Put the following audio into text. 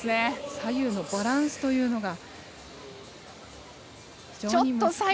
左右のバランスというのが非常に難しい。